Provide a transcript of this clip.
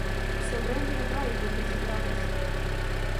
В се врем'я в рай боги зібрались